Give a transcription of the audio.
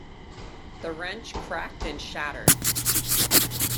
The wrench cracked and shattered.